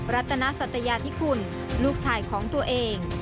รัตนสัตยาธิคุณลูกชายของตัวเอง